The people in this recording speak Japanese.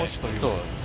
そうです。